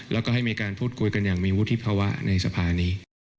แล้วก็ให้มีการพูดคุยกันอย่างมีวุฒิภาวะในสภานี้